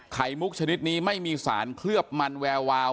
มุกชนิดนี้ไม่มีสารเคลือบมันแวววาว